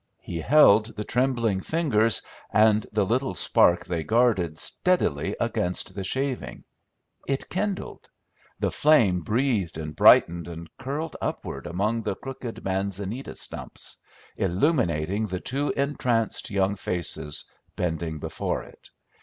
He held the trembling fingers and the little spark they guarded steadily against the shaving. It kindled; the flame breathed and brightened and curled upward among the crooked manzanita stumps, illuminating the two entranced young faces bending before it.